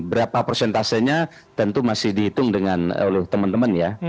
berapa persentasenya tentu masih dihitung oleh teman teman ya